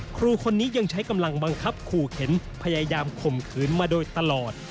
ครูคนนี้ยังใช้กำลังบังคับขู่เข็นพยายามข่มขืนมาโดยตลอด